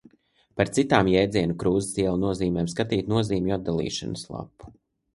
Par citām jēdziena Krūzes iela nozīmēm skatīt nozīmju atdalīšanas lapu.